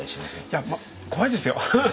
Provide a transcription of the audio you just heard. いやまあ怖いですよ！